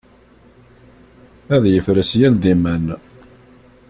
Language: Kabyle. ad yefres yal d iman.